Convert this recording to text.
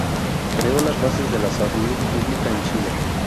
Creó las bases de la Salud Pública en Chile.